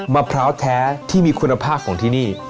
มะพร้าวแท้ที่มีคุณภาพของที่นี่